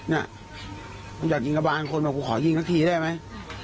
น่ะมึงอยากยิงกระบานคนบอกกูขอยิงสักทีได้ไหม